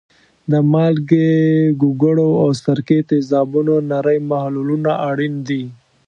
د مالګې، ګوګړو او سرکې تیزابونو نری محلولونه اړین دي.